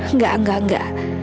enggak enggak enggak